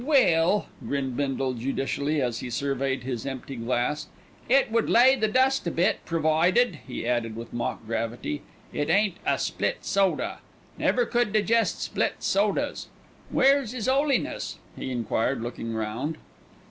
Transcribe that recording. "Well!" grinned Bindle judicially, as he surveyed his empty glass, "it would lay the dust a bit; provided," he added with mock gravity, "it ain't a split soda. Never could digest split sodas. Where's 'is 'Oliness?" he enquired, looking round.